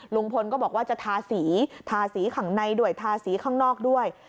ลุงพลก็บอกว่าจะทาสีทาสีข้างในด้วยทาสีข้างนอกด้วย